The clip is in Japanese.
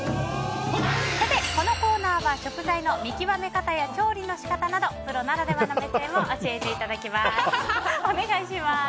このコーナーは食材の見極め方や調理の仕方などプロならではの目線を教えていただきます。